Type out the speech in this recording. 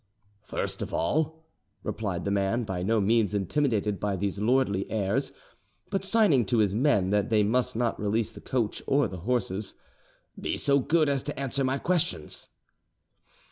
"First of all," replied the man, by no means intimidated by these lordly airs, but signing to his men that they must not release the coach or the horses, "be so good as to answer my questions."